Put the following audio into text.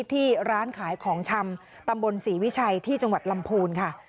ที่ร้านขายของชำตำบลศรีวิชัยที่จังหวัดลำพูนค่ะ